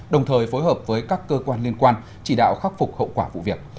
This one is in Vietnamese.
đồng thời phối hợp với các cơ quan liên quan chỉ đạo khắc phục hậu quả vụ việc